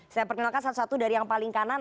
saya perkenalkan satu satu dari yang paling kanan